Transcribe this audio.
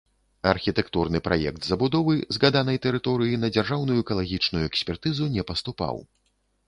Архітэктурны праект забудовы згаданай тэрыторыі на дзяржаўную экалагічную экспертызу не паступаў.